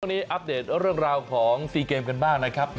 พร้อมหาให้อัพเดทเรื่องราวของซีเกมกันบ้างนะครับ